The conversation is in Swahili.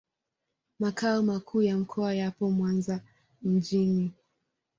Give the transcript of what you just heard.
Makao makuu ya mkoa yapo Mwanza mjini.